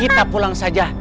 kita pulang saja